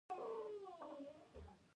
د نیکۍ بدله د نیکۍ په ډول ورکړه.